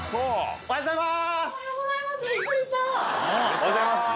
おはようございます。